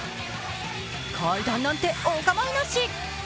階段なんておかまいなし。